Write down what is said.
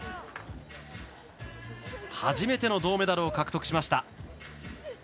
初めての銅メダルを獲得しました。